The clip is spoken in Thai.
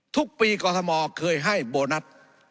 ทุกปีกรทมเคยให้โบนัส